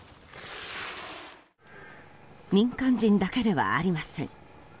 民間人だけではありません。